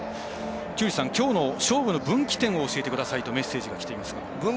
きょうの勝負の分岐点を教えてくださいとメッセージきていますが。